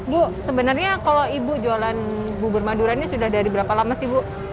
bu sebenarnya kalau ibu jualan bubur madura ini sudah dari berapa lama sih bu